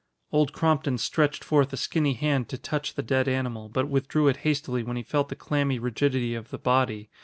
Old Crompton stretched forth a skinny hand to touch the dead animal, but withdrew it hastily when he felt the clammy rigidity of the body.